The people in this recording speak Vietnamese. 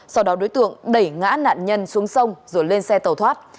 sau đó đối tượng đẩy ngã nạn nhân xuống sông rồi lên xe tàu thoát